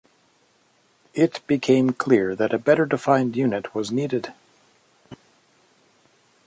It became clear that a better-defined unit was needed.